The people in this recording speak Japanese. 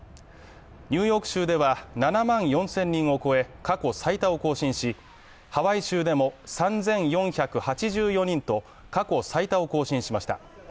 ニューヨーク州では７万４０００人を超え、過去最多を更新し、ハワイ州でも３８３４人と過去最多を更新しました。